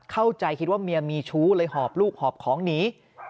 เข้าใจคิดว่าเมียมีชู้เลยหอบลูกหอบของหนี